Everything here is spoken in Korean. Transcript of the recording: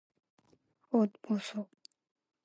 옷 벗어.